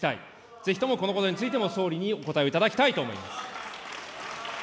ぜひともこのことについても、総理にお答えをいただきたいと思います。